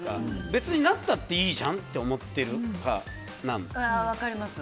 別になったっていいじゃんって思ってる派なんです。